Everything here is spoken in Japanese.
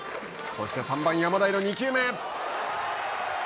そして３番山田への２球目。